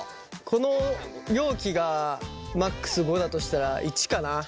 この容器がマックス５だとしたら１かな。